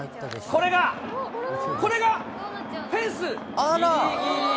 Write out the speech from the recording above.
これが、これが、フェンスぎりぎり。